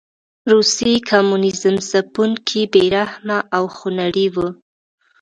روسي کمونېزم ځپونکی، بې رحمه او خونړی و.